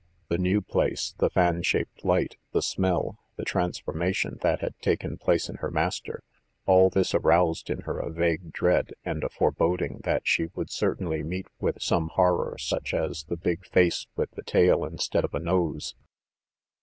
The new place, the fan shaped light, the smell, the transformation that had taken place in her master all this aroused in her a vague dread and a foreboding that she would certainly meet with some horror such as the big face with the tail instead of a nose.